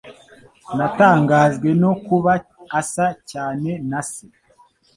Natangajwe no kuba asa cyane na se.